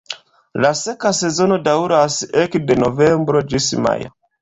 La seka sezono daŭras ekde novembro ĝis majo.